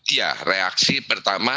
ya reaksi pertama